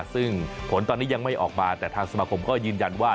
ซึ่งผลตอนนี้ยังไม่ออกมาแต่ทางสมาคมก็ยืนยันว่า